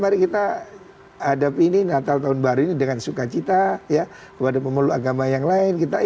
mari kita hadapi ini natal tahun baru ini dengan sukacita kepada pemeluk agama yang lain